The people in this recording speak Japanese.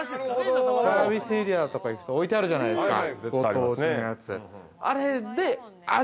サービスエリアとか行くと、置いてあるじゃないですか。